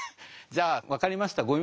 「じゃあ分かりました。